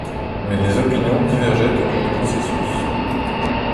Mais les opinions divergeaient au cours du processus.